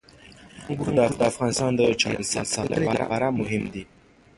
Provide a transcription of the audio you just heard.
انګور د افغانستان د چاپیریال ساتنې لپاره مهم دي.